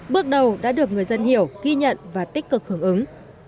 bước đầu đã được người dân hiểu ghi nhận và tích cực hưởng ứng